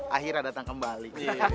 akhirnya datang kembali